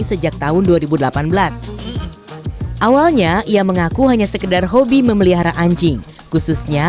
sejak tahun dua ribu delapan belas awalnya ia mengaku hanya sekedar hobi memelihara anjing khususnya